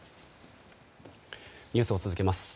ニュースを続けます。